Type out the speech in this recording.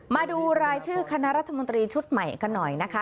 มาดูรายชื่อคณะรัฐมนตรีชุดใหม่กันหน่อยนะคะ